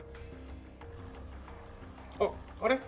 あっ、あれ？